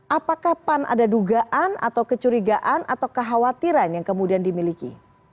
apakah pan ada dugaan atau kecurigaan atau kekhawatiran yang kemudian dimiliki